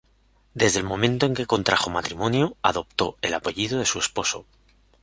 Desde el momento en que contrajo matrimonio, adoptó el apellido de su esposo.